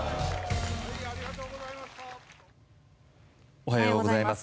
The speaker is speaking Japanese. おはようございます。